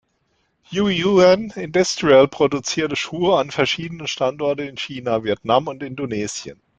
Yue Yuen Industrial produziert Schuhe an verschiedenen Standorten in China, Vietnam und Indonesien.